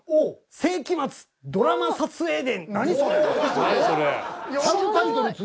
『世紀末ドラマ撮影伝』。